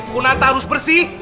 kunanta harus bersih